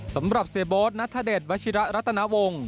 สำหรับเซโบสนัทธเดชวัชิระรัตนาวงศ์